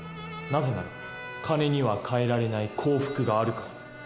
なぜなら金には代えられない幸福があるからだ。